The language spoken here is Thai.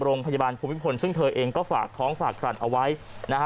โรงพยาบาลภูมิพลซึ่งเธอเองก็ฝากท้องฝากครันเอาไว้นะฮะ